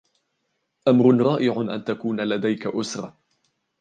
أمر رائع أن تكون لديك أسرة.